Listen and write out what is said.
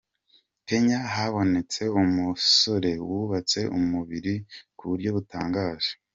Kenya habonetse umusore wubatse umubiri ku buryo butangaje.